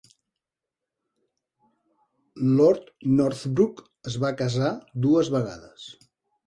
Lord Northbrook es va casar dues vegades.